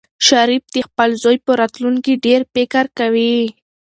شریف د خپل زوی په راتلونکي ډېر فکر کوي.